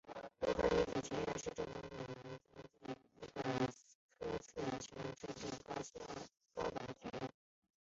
山东女子学院是中国山东省济南市的一所本科层次全日制公办高等院校。